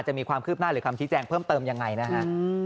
จะมีความคืบหน้าหรือคำชี้แจงเพิ่มเติมยังไงนะฮะ